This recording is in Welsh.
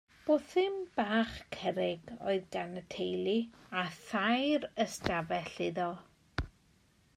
Bwthyn bach cerrig oedd gan y teulu, a thair ystafell iddo.